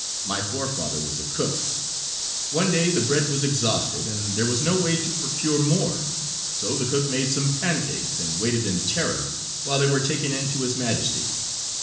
My forefather was a cook. One day the bread was exhausted, and there was no way to procure more, so the cook made some pancakes, and waited in terror while they were taken in to his majesty.